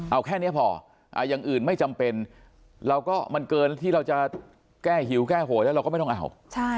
เอาแค่นี้พออย่างอื่นไม่จำเป็นเราก็มันเกินที่เราจะแก้หิวแก้โหยแล้วเราก็ไม่ต้องเอา